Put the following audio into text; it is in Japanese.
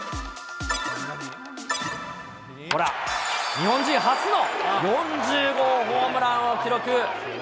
ほら、日本人初の４０号ホームランを記録。